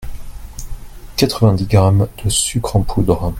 Quatre-vingt-dix grammes de sucre en poudre.